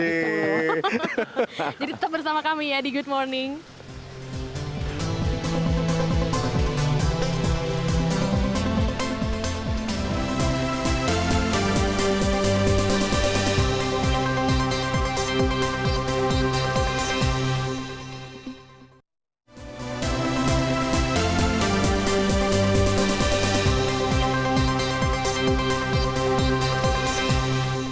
jadi tetap bersama kami ya di good morning